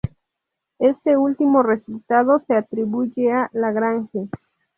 Este último resultado se atribuye a Lagrange.